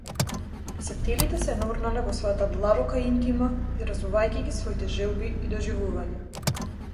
Писателите се нурнале во својата длабока интима, изразувајќи ги своите желби и доживувања.